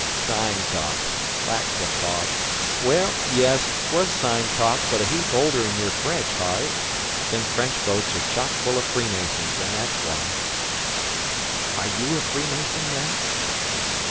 "Sign talk!" Platt guffawed. "Well, yes, 'twas sign talk, but a heap older'n your French, Harve. Them French boats are chockfull o' Freemasons, an' that's why." "Are you a Freemason, then?"